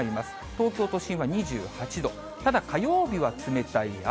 東京都心は２８度、ただ、火曜日は冷たい雨。